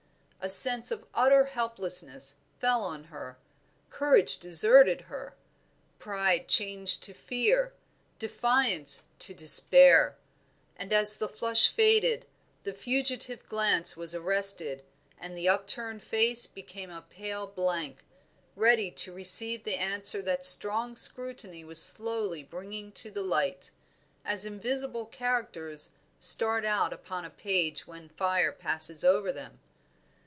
A sense of utter helplessness fell on her, courage deserted her, pride changed to fear, defiance to despair; as the flush faded, the fugitive glance was arrested and the upturned face became a pale blank, ready to receive the answer that strong scrutiny was slowly bringing to the light, as invisible characters start out upon a page when fire passes over them.